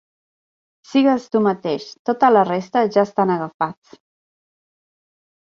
Sigues tu mateix; tota la resta ja estan agafats.